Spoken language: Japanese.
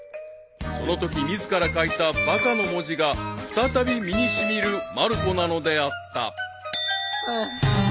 ［そのとき自ら書いたバカの文字が再び身に染みるまる子なのであった］